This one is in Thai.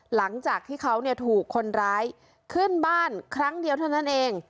หลังจากที่เขาถูกคนร้ายขึ้นบ้านครั้งเดียวเท่านั้นเอง